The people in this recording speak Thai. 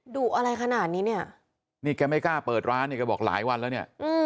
ดุอะไรขนาดนี้เนี่ยนี่แกไม่กล้าเปิดร้านเนี่ยแกบอกหลายวันแล้วเนี่ย